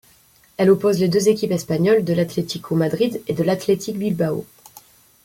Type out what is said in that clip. Elle oppose les deux équipes espagnoles de l'Atlético Madrid et de l'Athletic Bilbao.